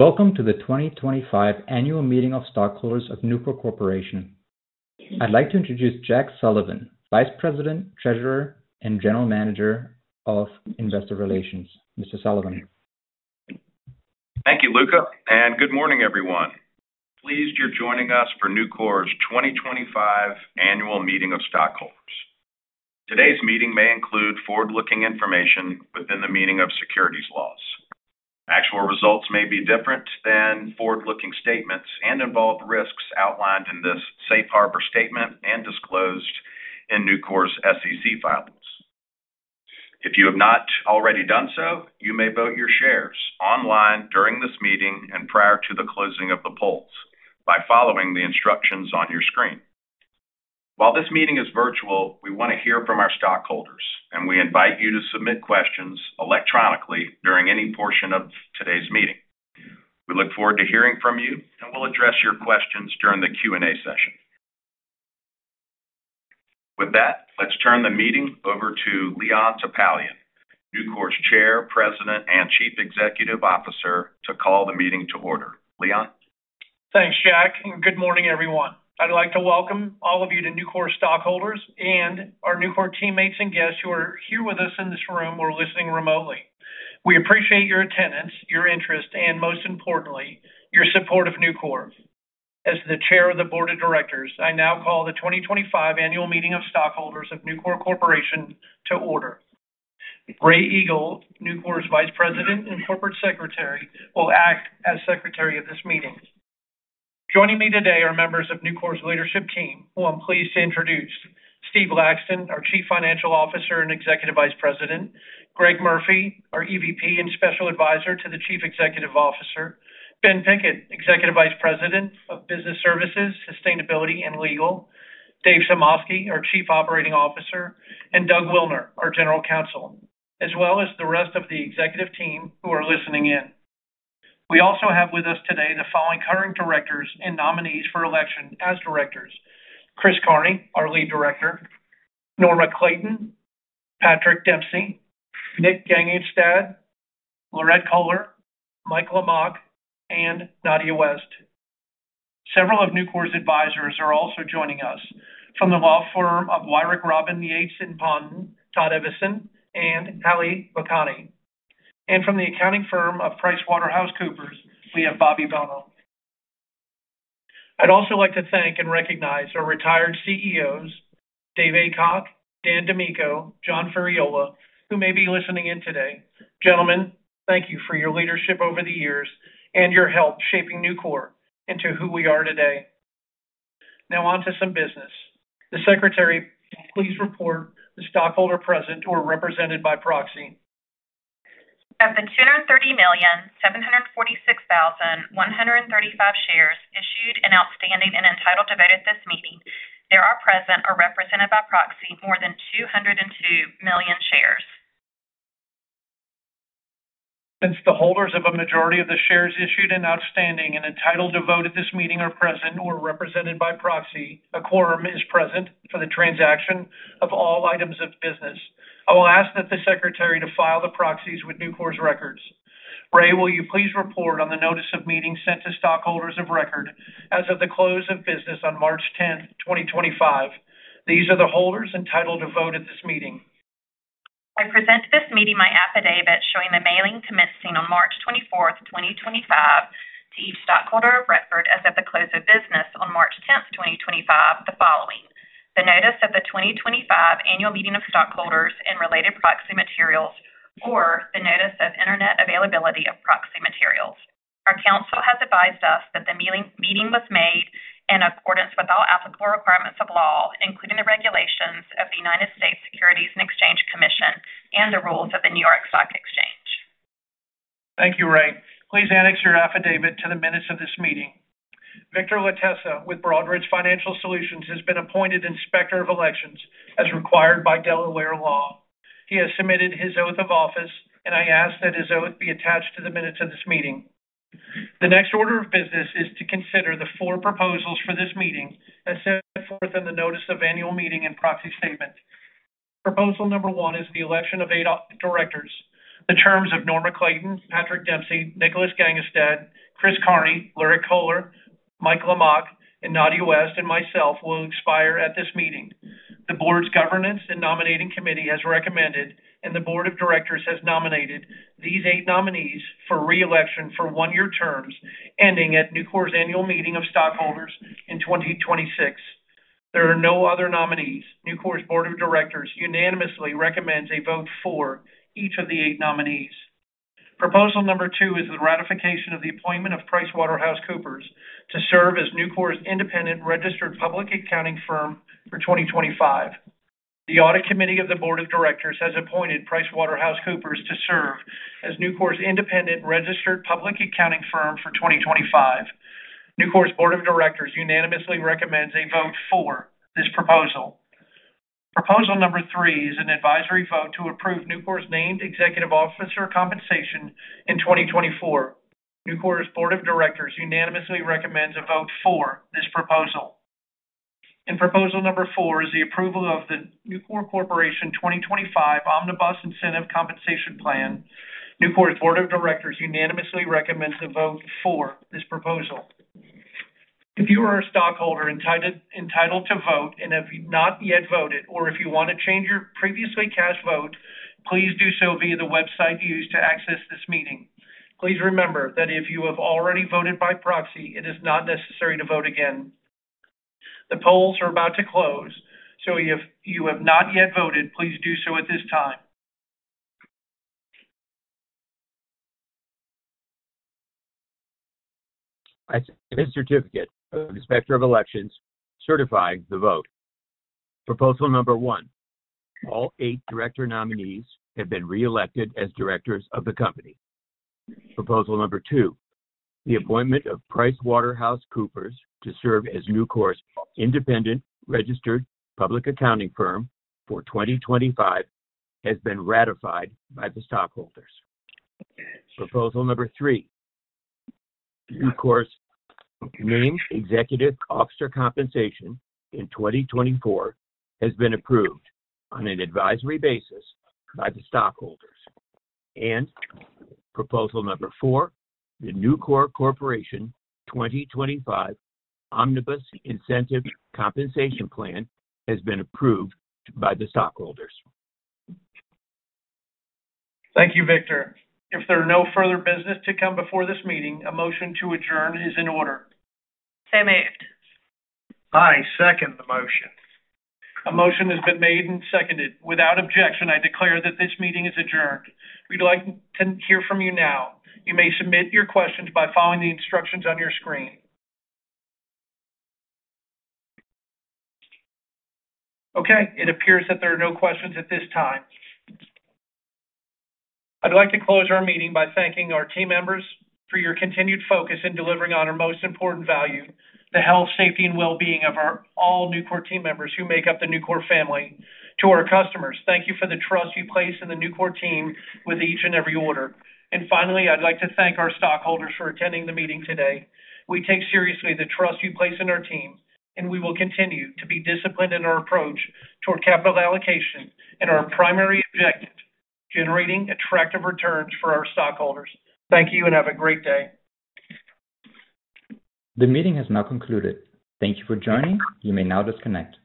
Welcome to the 2025 Annual Meeting of Stockholders of Nucor Corporation. I'd like to introduce Jack Sullivan, Vice President, Treasurer, and General Manager of Investor Relations. Mr. Sullivan. Thank you, Luca, and good morning, everyone. Pleased you're joining us for Nucor's 2025 Annual Meeting of Stockholders. Today's meeting may include forward-looking information within the meaning of securities laws. Actual results may be different than forward-looking statements and involve risks outlined in this Safe Harbor Statement and disclosed in Nucor's SEC filings. If you have not already done so, you may vote your shares online during this meeting and prior to the closing of the polls by following the instructions on your screen. While this meeting is virtual, we want to hear from our stockholders, and we invite you to submit questions electronically during any portion of today's meeting. We look forward to hearing from you, and we'll address your questions during the Q&A session. With that, let's turn the meeting over to Leon Topalian, Nucor's Chair, President, and Chief Executive Officer, to call the meeting to order. Leon? Thanks, Jack, and good morning, everyone. I'd like to welcome all of you to Nucor's stockholders and our Nucor teammates and guests who are here with us in this room or listening remotely. We appreciate your attendance, your interest, and most importantly, your support of Nucor. As the Chair of the Board of Directors, I now call the 2025 Annual Meeting of Stockholders of Nucor Corporation to order. Rae Eagle, Nucor's Vice President and Corporate Secretary, will act as Secretary of this meeting. Joining me today are members of Nucor's leadership team, who I'm pleased to introduce: Steve Laxton, our Chief Financial Officer and Executive Vice President, Greg Murphy, our EVP and Special Advisor to the Chief Executive Officer, Ben Pickett, Executive Vice President of Business Services, Sustainability, and Legal, Dave Sumoski, our Chief Operating Officer, and Doug Wilner, our General Counsel, as well as the rest of the executive team who are listening in. We also have with us today the following current directors and nominees for election as directors: Chris Kearney, our Lead Director, Norma Clayton, Patrick Dempsey, Nick Gangestad, Laurette Koellner, Michael Lamach, and Nadja West. Several of Nucor's advisors are also joining us from the law firm of Wyrick Robbins Yates and Ponton, Todd Eveson, and Hallie Bacani, and from the accounting firm of PricewaterhouseCoopers, we have Bobby Bono. I'd also like to thank and recognize our retired CEOs: Dave Aycock, Dan DiMicco, John Ferriola, who may be listening in today. Gentlemen, thank you for your leadership over the years and your help shaping Nucor into who we are today. Now on to some business. The Secretary, please report the stockholders present or represented by proxy. Of the 230,746,135 shares issued, outstanding, and entitled to vote at this meeting, there are present or represented by proxy more than 202 million shares. Since the holders of a majority of the shares issued and outstanding and entitled to vote at this meeting are present or represented by proxy, a quorum is present for the transaction of all items of business. I will ask that the Secretary to file the proxies with Nucor's records. Rae, will you please report on the notice of meeting sent to stockholders of record as of the close of business on March 10, 2025? These are the holders entitled to vote at this meeting. I present to this meeting my affidavit showing the mailing commencing on March 24, 2025, to each stockholder of record as of the close of business on March 10, 2025, the following: the Notice of the 2025 Annual Meeting of Stockholders and related proxy materials, or the Notice of Internet Availability of Proxy Materials. Our counsel has advised us that the mailing was made in accordance with all applicable requirements of law, including the regulations of the United States Securities and Exchange Commission and the rules of the New York Stock Exchange. Thank you, Rae. Please annex your affidavit to the minutes of this meeting. Victor Latessa with Broadridge Financial Solutions has been appointed Inspector of Elections as required by Delaware law. He has submitted his oath of office, and I ask that his oath be attached to the minutes of this meeting. The next order of business is to consider the four proposals for this meeting as set forth in the notice of annual meeting and proxy statement. Proposal number one is the election of eight directors. The terms of Norma Clayton, Patrick Dempsey, Nicholas Gangestad, Chris Kearney, Laurette Koellner, Michael Lamach, Nadja West, and myself will expire at this meeting. The board's Governance and Nominating Committee has recommended, and the board of directors has nominated these eight nominees for reelection for one-year terms ending at Nucor's annual meeting of stockholders in 2026. There are no other nominees. Nucor's board of directors unanimously recommends a vote for each of the eight nominees. Proposal number two is the ratification of the appointment of PricewaterhouseCoopers to serve as Nucor's independent registered public accounting firm for 2025. The Audit Committee of the board of directors has appointed PricewaterhouseCoopers to serve as Nucor's independent registered public accounting firm for 2025. Nucor's board of directors unanimously recommends a vote for this proposal. Proposal number three is an advisory vote to approve Nucor's named executive officer compensation in 2024. Nucor's board of directors unanimously recommends a vote for this proposal, and proposal number four is the approval of the Nucor Corporation 2025 Omnibus Incentive Compensation Plan. Nucor's board of directors unanimously recommends a vote for this proposal. If you are a stockholder entitled to vote and have not yet voted, or if you want to change your previously cast vote, please do so via the website used to access this meeting. Please remember that if you have already voted by proxy, it is not necessary to vote again. The polls are about to close, so if you have not yet voted, please do so at this time. I see a certificate of Inspector of Elections certifying the vote. Proposal number one: all eight director nominees have been reelected as directors of the company. Proposal number two: the appointment of PricewaterhouseCoopers to serve as Nucor's independent registered public accounting firm for 2025 has been ratified by the stockholders. Proposal number three: Nucor's named executive officer compensation in 2024 has been approved on an advisory basis by the stockholders. And proposal number four: the Nucor Corporation 2025 Omnibus Incentive Compensation Plan has been approved by the stockholders. Thank you, Victor. If there are no further business to come before this meeting, a motion to adjourn is in order. So moved. I second the motion. A motion has been made and seconded. Without objection, I declare that this meeting is adjourned. We'd like to hear from you now. You may submit your questions by following the instructions on your screen. Okay. It appears that there are no questions at this time. I'd like to close our meeting by thanking our team members for your continued focus in delivering on our most important value: the health, safety, and well-being of all Nucor team members who make up the Nucor family, to our customers. Thank you for the trust you place in the Nucor team with each and every order. And finally, I'd like to thank our stockholders for attending the meeting today. We take seriously the trust you place in our team, and we will continue to be disciplined in our approach toward capital allocation and our primary objective: generating attractive returns for our stockholders. Thank you and have a great day. The meeting has now concluded. Thank you for joining. You may now disconnect.